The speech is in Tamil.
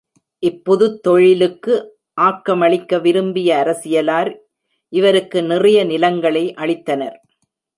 இப்புதுத் தொழிலுக்கு ஆக்கமளிக்க விரும்பிய அரசியலார், இவருக்கு நிறைய நிலங்களை அளித்தனர்.